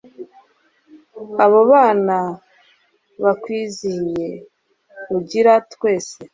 abo bana bakwizihiye; rugira twese